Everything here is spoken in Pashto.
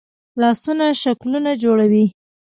لاسونه شکلونه جوړوي